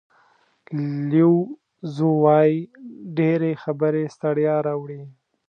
لیو زو وایي ډېرې خبرې ستړیا راوړي.